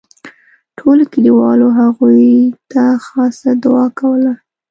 ټولو کلیوالو هغوی ته خاصه دوعا کوله.